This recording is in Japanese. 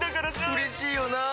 うれしいよなぁ。